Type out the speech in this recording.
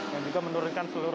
yang juga menurunkan seluruh